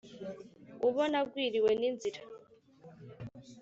Ubona agwiriwe n’inzira,